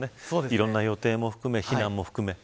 いろんな予定も含め避難も含め。